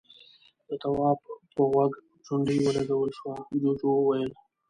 د تواب په غوږ چونډۍ ولګول شوه، جُوجُو وويل: